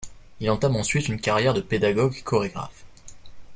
Il entame ensuite une carrière de pédagogue et chorégraphe.